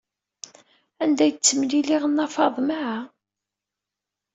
Anda ay d-ttemliliɣ Nna Faḍma?